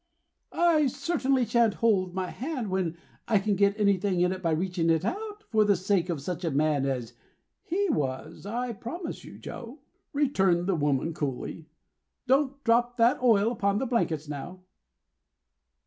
"I certainly shan't hold my hand, when I can get anything in it by reaching it out, for the sake of such a man as he was, I promise you, Joe," returned the woman coolly. "Don't drop that oil upon the blankets, now."